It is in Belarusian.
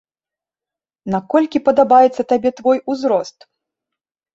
Наколькі падабаецца табе твой узрост?